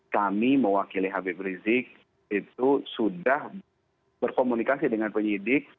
kami mewakili habib rizik itu sudah berkomunikasi dengan penyidik